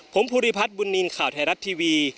ผมภูริพัฒน์บุญนินทร์ข่าวไทยรัฐทีวี